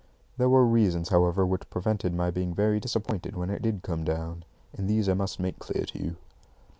There were reasons, however, which prevented my being very disappointed when it did come down; and these I must make clear to you.